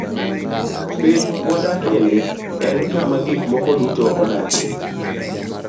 Piny mwadakieni en kama gik moko duto odakie.